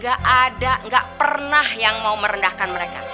ga ada ga pernah yang mau merendahkan mereka